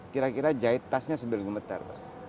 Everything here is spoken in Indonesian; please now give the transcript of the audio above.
kira kira jahit tasnya sambil gemetar